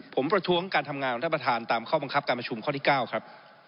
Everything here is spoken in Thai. ผมประท้วงการทำงานของท่านประธานตามข้อบังคับการประชุมข้อที่๙ครับ